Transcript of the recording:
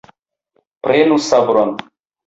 Prenu sabron!